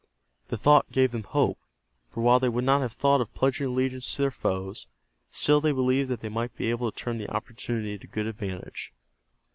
The thought gave them hope, for while they would not have thought of pledging allegiance to their foes, still they believed that they might be able to turn the opportunity to good advantage.